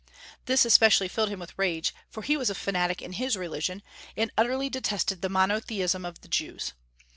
This especially filled him with rage, for he was a fanatic in his religion, and utterly detested the monotheism of the Jews.